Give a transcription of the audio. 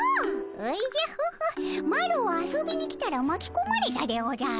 おじゃホホッマロは遊びに来たらまきこまれたでおじゃる。